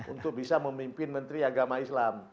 untuk bisa memimpin menteri agama islam